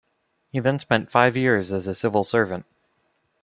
He then spent five years as a civil servant.